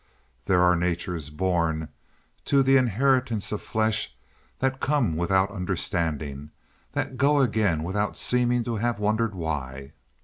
There are natures born to the inheritance of flesh that come without understanding, and that go again without seeming to have wondered why.